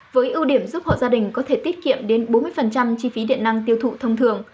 với ưu điểm giúp hộ gia đình có thể tiết kiệm đến bốn mươi chi phí điện năng tiêu thụ thông thường